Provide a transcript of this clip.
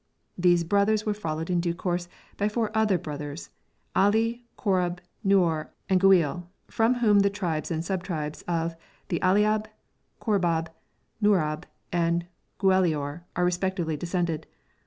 These brothers were followed in due course by four other brothers, Ali, Kourb, Nour, and Gueil, from whom the tribes and sub tribes of the Aliab, Kourbab, Nourab, and Gueilior are respectively descended.